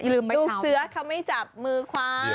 ลูกเสื้อเขาไม่จับมือคว้า